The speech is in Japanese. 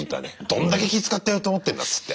どんだけ気遣ってると思ってんだっつって。